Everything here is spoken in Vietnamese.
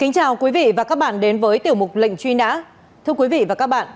chào mừng quý vị đến với tiểu mục lệnh truy nã